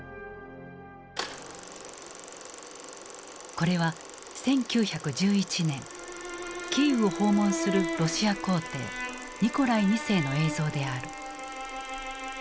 これは１９１１年キーウを訪問するロシア皇帝ニコライ２世の映像である。